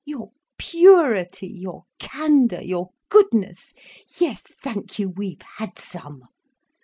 Your purity, your candour, your goodness—yes, thank you, we've had some.